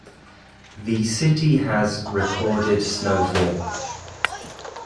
The city has "recorded" snowfall.